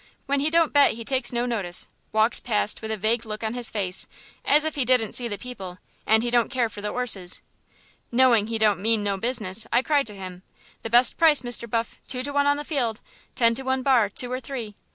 When he don't bet he takes no notice, walks past with a vague look on his face, as if he didn't see the people, and he don't care that for the 'orses. Knowing he don't mean no business, I cries to him, 'The best price, Mr. Buff; two to one on the field, ten to one bar two or three.'